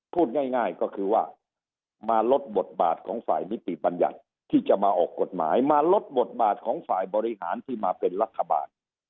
พูดง่ายก็คือว่ามาลดบทบาทของฝ่ายนิติบัญญัติที่จะมาออกกฎหมายมาลดบทบาทของฝ่ายบริหารที่มาเป็นรัฐบาล